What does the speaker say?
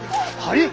はい？